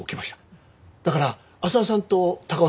だから浅輪さんと高尾さん